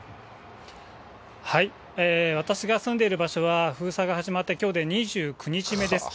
私が住んでいる場所は、封鎖が始まってきょうで２９日目です。